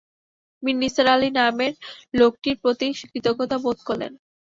মীরা নিসার আলি নামের লোকটির প্রতি কৃতজ্ঞতা বোধ করলেন।